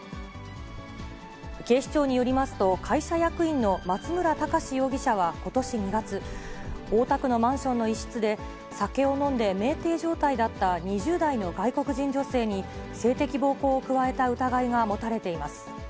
警視庁によりますと、会社役員の松村隆史容疑者はことし２月、大田区のマンションの一室で、酒を飲んでめいてい状態だった２０代の外国人女性に性的暴行を加えた疑いが持たれています。